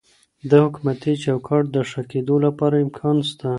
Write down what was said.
د حکومتي چوکاټ د ښه کیدو لپاره امکان سته.